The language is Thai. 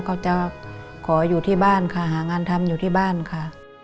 ก็จะขออยู่ที่บ้านค่ะหางานทำอยู่ที่บ้านค่ะ